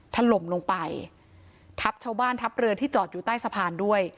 ถล่มลงไปทับชาวบ้านทัพเรือที่จอดอยู่ใต้สะพานด้วย